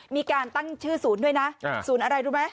มีการตั้งชื่อศูนย์ด้วยนะศูนย์อะไรรู้ไหม